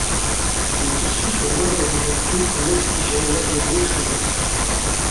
Les tissus sont moins alimentés en oxygène et en nutriments.